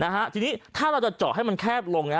นะฮะทีนี้ถ้าเราจะเจาะให้มันแคบลงนะ